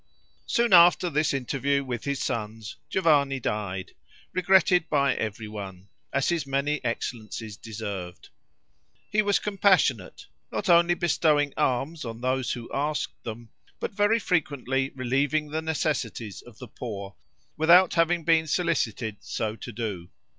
Soon after this interview with his sons, Giovanni died, regretted by everyone, as his many excellencies deserved. He was compassionate; not only bestowing alms on those who asked them, but very frequently relieving the necessities of the poor, without having been solicited so to do.